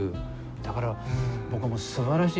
だから僕はもうすばらしい。